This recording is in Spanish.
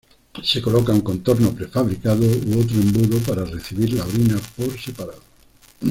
Se coloca un contorno prefabricado u otro embudo para recibir la orina por separado.